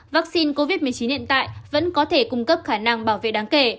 vaccine covid một mươi chín hiện tại vẫn có thể cung cấp khả năng bảo vệ đáng kể